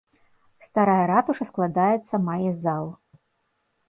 Старая ратуша складаецца мае зал.